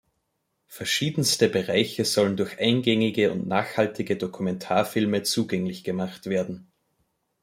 Verschiedenste Bereiche sollen durch eingängige und nachhaltige Dokumentarfilme zugänglich gemacht werden.